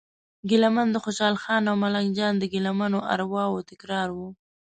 ګیله من د خوشال خان او ملنګ جان د ګیله منو ارواوو تکرار و.